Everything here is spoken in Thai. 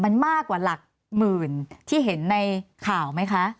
มันมากกว่าหลักหมื่นที่เห็นในข่าวไหมคะ